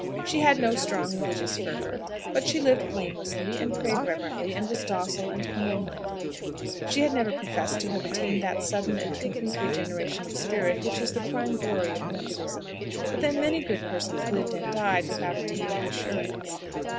She had no strong religious fervour, but she lived blamelessly, and prayed reverently, and was docile and humble minded. She had never professed to have attained that sudden and complete regeneration of spirit which is the prime glory of Methodism. But then many good persons lived and died without attaining "assurance."